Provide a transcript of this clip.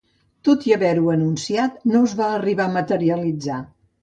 Tot i haver-ho anunciat, no es va arribar a materialitzar.